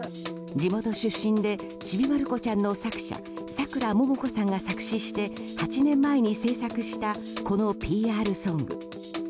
地元出身で「ちびまる子ちゃん」の作者さくらももこさんが作詞して８年前に制作したこのＰＲソング。